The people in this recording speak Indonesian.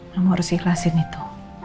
kamu harus ikhlasin itu